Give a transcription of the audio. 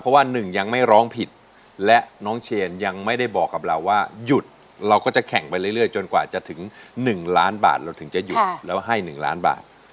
เพราะว่าหนึ่งยังไม่ร้องผิดและน้องเชนยังไม่ได้บอกกับเราว่าหยุดเราก็จะแข่งไปเรื่อยจนกว่าจะถึง๑ล้านบาทเราถึงจะหยุดแล้วให้๑ล้านบาท